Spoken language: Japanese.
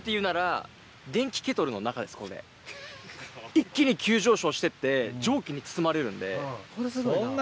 一気に急上昇してって蒸気に包まれるんで。